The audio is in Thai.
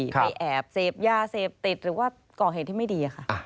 ไปแอบเสพยาเสพติดหรือว่าก่อเหตุที่ไม่ดีค่ะ